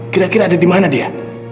kira kira ada di mana dia